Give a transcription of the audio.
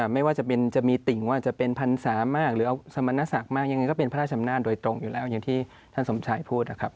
ไม่ว่าจะมีติ่งว่าจะเป็นพรรษามากหรือเอาสมณศักดิ์มากยังไงก็เป็นพระราชอำนาจโดยตรงอยู่แล้วอย่างที่ท่านสมชายพูดนะครับ